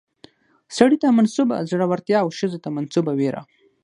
سړي ته منسوبه زړورتيا او ښځې ته منسوبه ويره